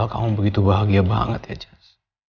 padahal kamu begitu bahagia banget ya jess